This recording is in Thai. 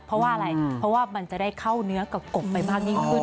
เพราะว่าอะไรเพราะว่ามันจะได้เข้าเนื้อกับกบไปมากยิ่งขึ้น